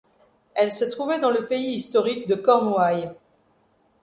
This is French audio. Elle se trouvait dans le pays historique de Cornouaille.